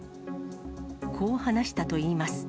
こう話したといいます。